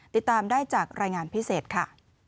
ติดตามได้จากรายงานพิเศษค่ะ